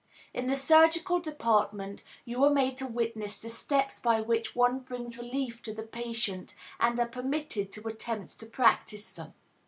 In the surgical department you are made to witness the steps by which one brings relief to the patient, and are permitted to attempt to practice them.